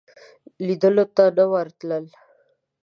لیدلو ته نه ورتلل.